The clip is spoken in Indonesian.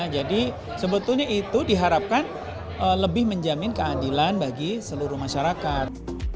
jadi sebetulnya itu diharapkan lebih menjamin keadilan bagi seluruh masyarakat